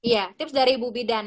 ya tips dari bu bidan